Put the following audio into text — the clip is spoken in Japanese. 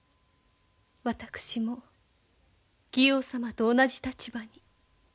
私も妓王様と同じ立場に。